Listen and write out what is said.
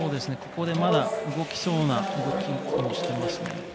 ここでまだ動きそうな動きをしていますね。